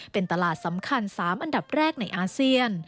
เป็นตลาดสำคัญ๓อันดับแรกในอาเซียน